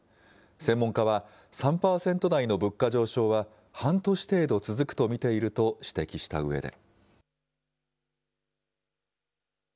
専門家は、３％台の物価上昇は半年程度続くと見ていると指摘したうえで。